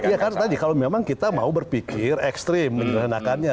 ya kan tadi kalau memang kita mau berpikir ekstrim menyederhanakannya